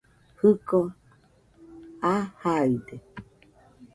Jiko aa jaide